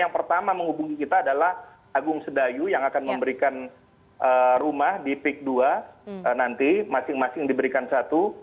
yang pertama menghubungi kita adalah agung sedayu yang akan memberikan rumah di peak dua nanti masing masing diberikan satu